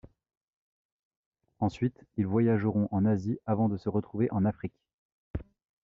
Ensuite, ils voyageront en Asie avant de se retrouver en Afrique.